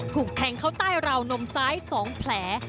ถูกแทงเข้าใต้ราวนมซ้าย๒แผล